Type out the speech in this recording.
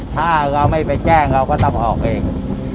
ถ้าเราไม่ไปแจ้งเราก็ต้องออกเอง